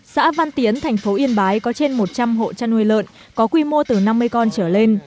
xã văn tiến thành phố yên bái có trên một trăm linh hộ chăn nuôi lợn có quy mô từ năm mươi con trở lên